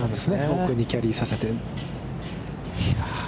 奥にキャリーさせて。